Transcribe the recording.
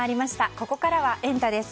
ここからはエンタ！です。